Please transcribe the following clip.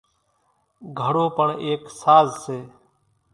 گھڙو پڻ ايڪ ساز سي۔